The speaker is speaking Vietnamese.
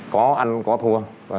có ăn có thua